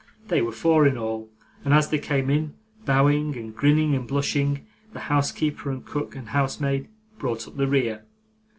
They were four in all, and as they came in, bowing, and grinning, and blushing, the housekeeper, and cook, and housemaid, brought up the rear.